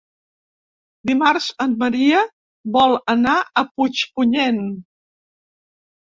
Dimarts en Maria vol anar a Puigpunyent.